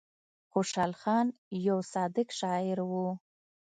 خوشال خان يو صادق شاعر وو ـ